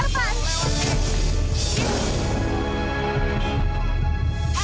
iya pak sebentar sebentar pak